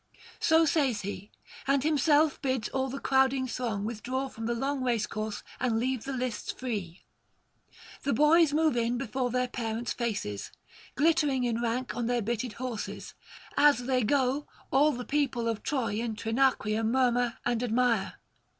So says he, and himself bids all the crowding throng withdraw from the long racecourse and leave the lists free. The boys move in before their parents' faces, glittering in rank on their [554 590]bitted horses; as they go all the people of Troy and Trinacria murmur and admire.